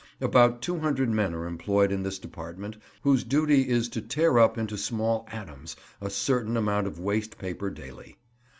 About 200 men are employed in this department, whose duty is to tear up into small atoms a certain amount of waste paper daily.